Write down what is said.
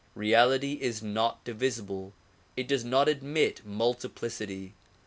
Reality is not divisible ; it does not admit multiplicity.